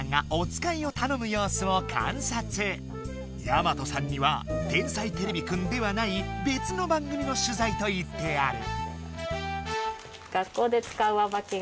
やまとさんには「天才てれびくん」ではないべつの番組の取材と言ってある。